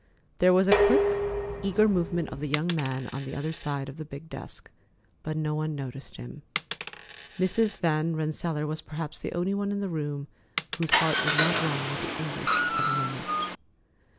There was a quick, eager movement of the young man on the other side of the big desk, but no one noticed him. Mrs. Van Rensselaer was perhaps the only one in the room whose heart was not wrung with the anguish of the moment.